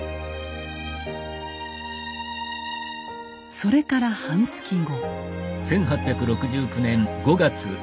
それから半月後。